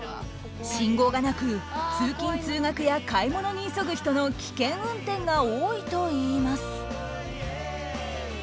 信号がなく通勤通学や買い物に急ぐ人の危険運転が多いといいます。